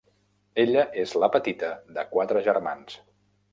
Ella és la petita de quatre germans.